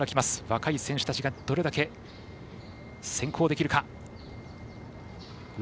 若い選手たちがどれだけ先行できるか。